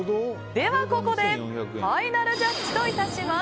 ではここでファイナルジャッジといたします。